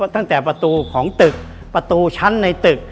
ตั้งแต่ประตูของตึกประตูชั้นในตึก